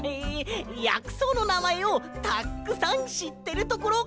やくそうのなまえをたっくさんしってるところ！